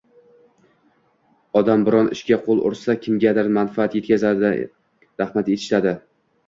Odam biron ishga qo‘l ursa, kimgadir manfaat yetkazadi, rahmat eshitadi.